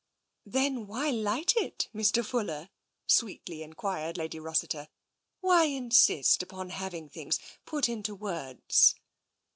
"Then why light it, Mr. Fuller?" sweetly enquired Lady Rossiter. " Why insist upon having things put into words?"